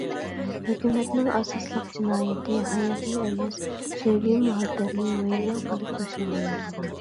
ھۆكۈمەتنىڭ ئاساسلىق جىنايىتى ھاياتنى ئەمەس، سۆيگۈ-مۇھەببەتنى ۋەيران قىلىپ تاشلىغانلىقىدا.